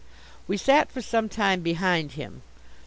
We sat for some time behind him.